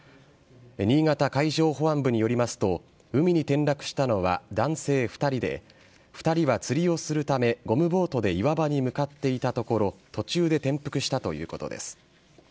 新潟海上保安部によりますと海に転落したのは男性２人で２人は釣りをするためゴムボートで岩場に向かっていたところ途中で転覆したということです。